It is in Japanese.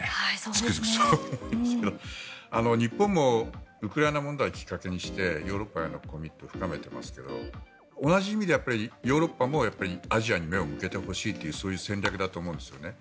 つくづくそう思いますけど日本もウクライナ問題をきっかけにしてヨーロッパへのコミットを深めてますが、同じ意味でヨーロッパもアジアに目を向けてほしいというそういう戦略だと思うんですよね。